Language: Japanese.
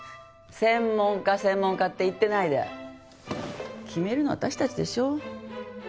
専門家専門家って言ってないで決めるのは私たちでしょ。